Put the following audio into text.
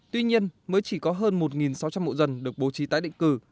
tuy nhiên mới chỉ có hơn một sáu trăm linh mộ dân được bố trí tái định cư